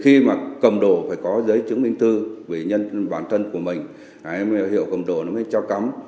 khi mà cầm đồ phải có giấy chứng minh thư vì nhân bản thân của mình hiệu cầm đồ nó mới cho cắm